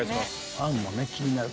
あんも気になる。